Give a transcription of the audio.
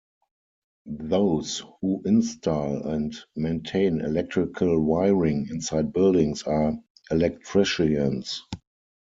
Those who install and maintain electrical wiring inside buildings are electricians.